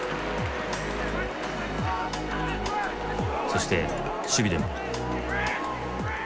そして守備でも。